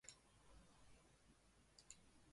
谁能真正展现洒脱